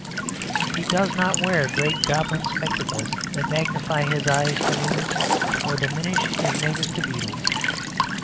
He does not wear great goblin spectacles that magnify his eyes to moons or diminish his neighbours to beetles.